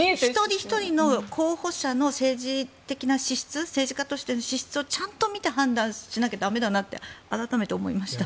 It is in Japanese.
有権者としても一人一人の候補者の政治的な政治家としての資質をちゃんと見て判断しなきゃ駄目だなと改めて思いました。